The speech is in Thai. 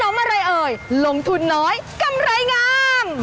อะไรเอ่ยลงทุนน้อยกำไรงาม